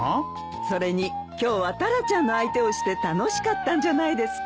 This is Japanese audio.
それに今日はタラちゃんの相手をして楽しかったんじゃないですか？